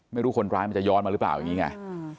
ไม่รู้คนร้ายมันจะย้อนมาหรือเปล่าอย่างนี้ไง